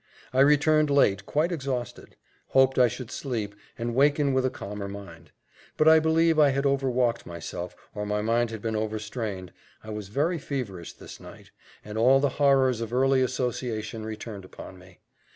I returned late, quite exhausted; hoped I should sleep, and waken with a calmer mind; but I believe I had overwalked myself, or my mind had been overstrained I was very feverish this night, and all the horrors of early association returned upon me.